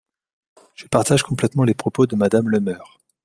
Je partage complètement les propos de Madame Le Meur.